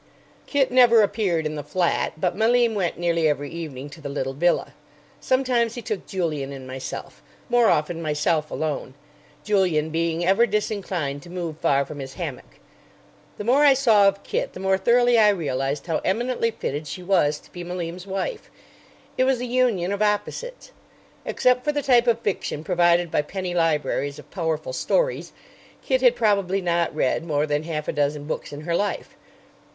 Kit never appeared in the flat: but Malim went nearly every evening to the little villa. Sometimes he took Julian and myself, more often myself alone, Julian being ever disinclined to move far from his hammock. The more I saw of Kit the more thoroughly I realized how eminently fitted she was to be Malim's wife. It was a union of opposites. Except for the type of fiction provided by "penny libraries of powerful stories." Kit had probably not read more than half a dozen books in her life.